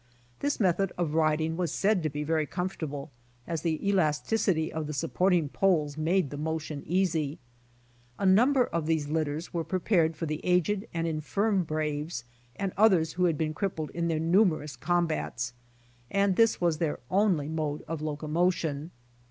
This method of riding was said to be very comfortable as the elasticity of the supporting poles made the motion easy. A number of these litters were prepared for the aged and infirm braves and others who had been crippled in their numerous combats, and this was their only mode of locomotion.